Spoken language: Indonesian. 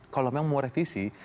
kalau memang mau revisi